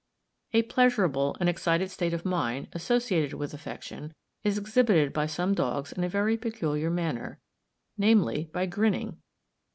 A pleasurable and excited state of mind, associated with affection, is exhibited by some dogs in a very peculiar manner, namely, by grinning.